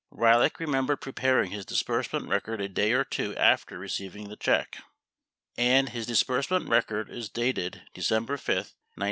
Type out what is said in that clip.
Ryhlick remembered preparing his disbursement record a day or two after receiving the check, 16 and his disbursement record is dated Decem ber 5, 1968.